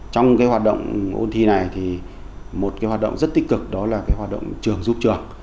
trong cái hoạt động ôn thi này thì một cái hoạt động rất tích cực đó là cái hoạt động trường giúp trường